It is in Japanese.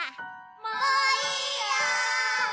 もういいよ！